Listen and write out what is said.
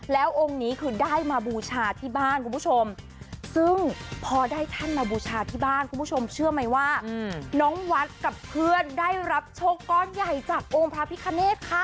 แล้วองค์นี้คือได้มาบูชาที่บ้านคุณผู้ชมซึ่งพอได้ท่านมาบูชาที่บ้านคุณผู้ชมเชื่อไหมว่าน้องวัดกับเพื่อนได้รับโชคก้อนใหญ่จากองค์พระพิคเนธค่ะ